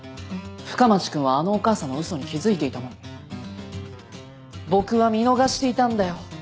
深町君はあのお母さんのウソに気付いていたのに僕は見逃していたんだよ。